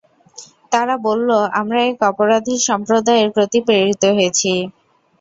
তারা বলল, আমরা এক অপরাধী সম্প্রদায়ের প্রতি প্রেরিত হয়েছি।